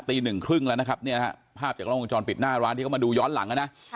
หนึ่งครึ่งแล้วนะครับเนี่ยฮะภาพจากล้องวงจรปิดหน้าร้านที่เขามาดูย้อนหลังนะ